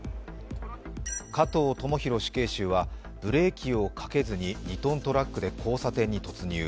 加藤智大死刑囚はブレーキをかけずに２ｔトラックで交差点に突入。